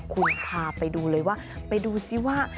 คุณพาไปดูเลยว่าไปดูซิว่า